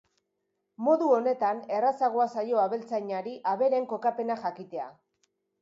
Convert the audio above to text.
Modu honetan errazagoa zaio abeltzainari abereen kokapena jakitea.